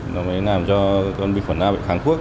nó mới làm cho con bị khỏe lao bị kháng thuốc